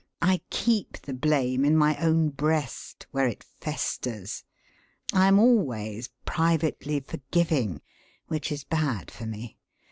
I keep the blame in my own breast, where it festers. I am always privately forgiving, which is bad for me.